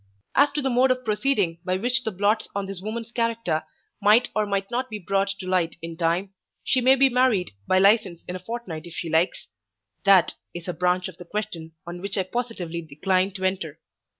As to the mode of proceeding by which the blots on this woman's character might or might not be brought to light in time she may be married by license in a fortnight if she likes that is a branch of the question on which I positively decline to enter.